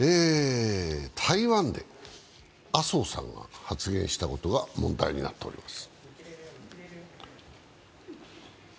台湾で麻生さんが発言したことが問題になっております。